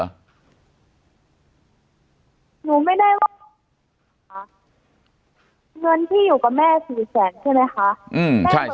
หนูไม่ได้ว่าเงินที่อยู่กับแม่สี่แสนใช่ไหมคะ